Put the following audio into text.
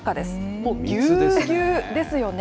もうぎゅうぎゅうですよね。